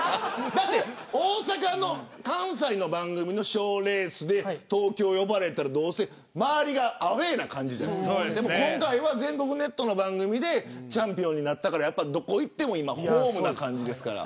大阪の番組の賞レースで東京、呼ばれたら周りがアウェーな感じででも、今回は全国ネットの番組でチャンピオンになったからどこに行ってもホームな感じですから。